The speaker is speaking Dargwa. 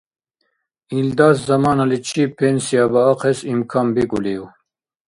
Илдас заманаличиб пенсия баахъес имкан бикӏулив?